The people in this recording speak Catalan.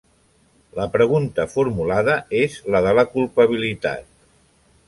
La pregunta formulada és la de la culpabilitat.